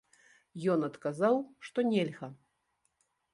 Ён адказаў, што нельга.